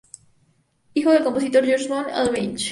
Hijo del compositor Georg von Albrecht.